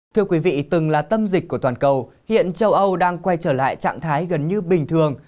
thưa quý vị từng là tâm dịch của toàn cầu hiện châu âu đang quay trở lại trạng thái gần như bình thường